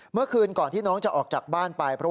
เมื่อคืนก่อนที่น้องจะออกจากบ้านไป